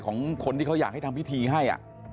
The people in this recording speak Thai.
ของคนที่เขาอยากให้ทำพิธีให้